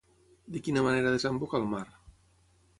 De quina manera desemboca al mar?